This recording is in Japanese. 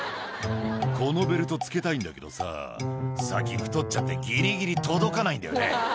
「このベルト着けたいんだけどさ最近太っちゃってギリギリ届かないんだよね」